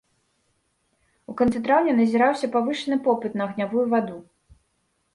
У канцы траўня назіраўся павышаны попыт на агнявую ваду.